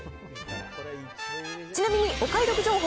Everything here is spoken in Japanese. ちなみにお買い得情報。